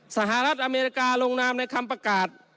สหรัฐอเมริกาลงนามในคำประกาศ